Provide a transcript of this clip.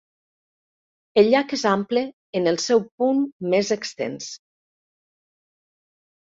El llac és ample en el seu punt més extens.